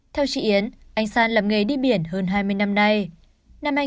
theo chị yến anh san làm nghề đi biển hơn hai mươi năm nay